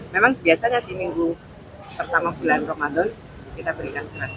memang biasanya sih minggu pertama bulan ramadan kita berikan surat edaran